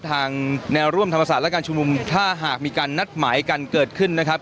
แนวร่วมธรรมศาสตร์และการชุมนุมถ้าหากมีการนัดหมายกันเกิดขึ้นนะครับ